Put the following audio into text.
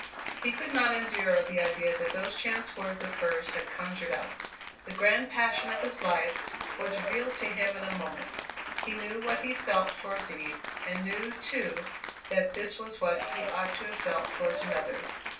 He could not endure the idea that those chance words of hers had conjured up. The grand passion of his life was revealed to him in a moment. He knew what he felt towards Eve, and knew, too, that this was what he ought to have felt towards another.